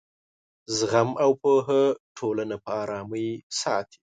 زغم او پوهه ټولنه په ارامۍ ساتي.